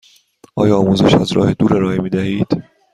آیا آموزش از راه دور ارائه می دهید؟